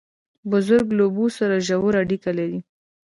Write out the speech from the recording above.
بزګر له اوبو سره ژوره اړیکه لري